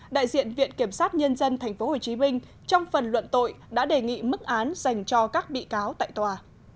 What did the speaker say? đại diện viện kiểm sát nhân dân tp hcm trong phần luận tội đã đề nghị mức án dành cho các bị cáo tại tòa